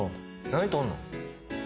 何撮んの？